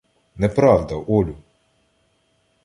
— Неправда, Олю.